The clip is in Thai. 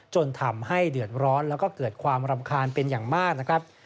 จนทำให้เดือดร้อนแล้วก็เกิดความรำคาญเป็นอย่างมากนะครับ